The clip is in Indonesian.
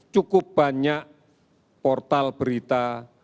cukup banyak portal berita cukup banyak aplikasi